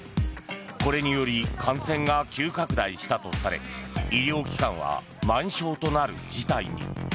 これにより感染が急拡大したとされ医療機関は満床となる事態に。